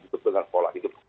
itu dengan pola hidup